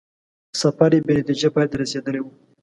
سفر یې بې نتیجې پای ته رسېدلی وو.